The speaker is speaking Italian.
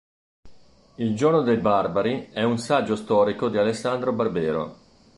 Il giorno dei barbari è un saggio storico di Alessandro Barbero.